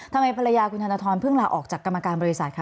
ทำไมภรรยาคุณธนทรเพิ่งลาออกจากกรรมการบริษัทคะ